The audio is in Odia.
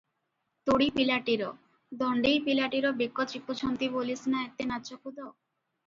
ତୋଡ଼ୀ ପିଲାଟିର, ଦଣ୍ତେଇ ପଲାଟିର ବେକ ଚିପୁଛନ୍ତି ବୋଲି ସିନା ଏତେ ନାଚକୁଦ ।